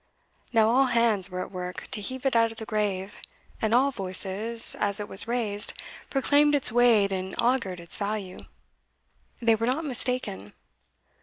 Now all hands were at work to heave it out of the grave, and all voices, as it was raised, proclaimed its weight and augured its value. They were not mistaken.